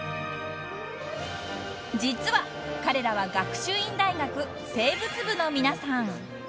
［実は彼らは学習院大学生物部の皆さん］